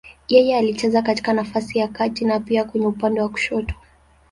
Yeye alicheza katika nafasi ya kati na pia kwenye upande wa kushoto.